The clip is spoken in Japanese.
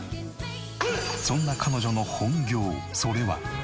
そんな彼女の本業それは。